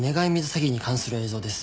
詐欺に関する映像です。